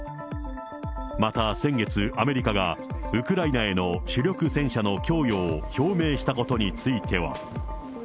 また先月、アメリカがウクライナへの主力戦車の供与を表明したことについては。